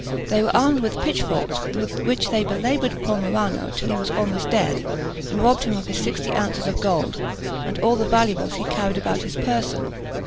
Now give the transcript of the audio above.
They were armed with pitchforks, with which they belaboured poor Marano till he was almost dead, and robbed him of his sixty ounces of gold and all the valuables he carried about his person.